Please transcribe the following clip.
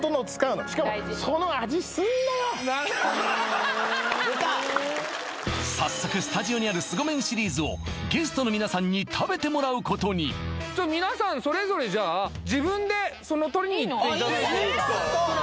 なるほど早速スタジオにある凄麺シリーズをゲストの皆さんに食べてもらうことに皆さんそれぞれじゃあ自分で取りにいっていただいていいの？